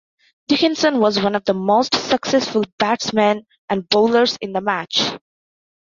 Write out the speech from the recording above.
Dickinson was one of the most successful batsmen and bowlers in the match.